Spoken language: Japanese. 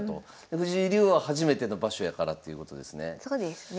藤井竜王は初めての場所やからということですね。